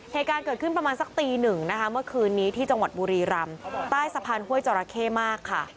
เหตุการณ์เกิดขึ้นประมาณสักตีหนึ่งนะคะเมื่อคืนนี้ที่จังหวัดบุรีรำใต้สะพานห้วยจราเข้มากค่ะ